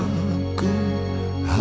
aku mau foto sekarang